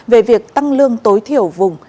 về việc tăng lương tối thiểu vùng